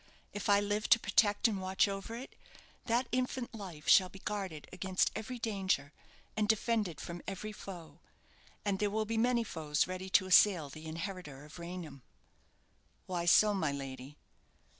If I live to protect and watch over it, that infant life shall be guarded against every danger, and defended from every foe. And there will be many foes ready to assail the inheritor of Raynham." "Why so, my lady?"